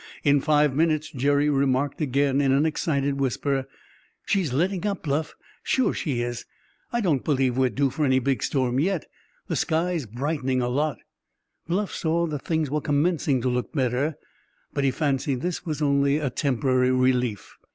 In five minutes Jerry remarked, again in an excited whisper: "She's letting up, Bluff; sure she is! I don't believe we're due for any big storm yet. The sky's brightening a lot." Bluff saw that things were commencing to look better; but he fancied this was only a temporary relief.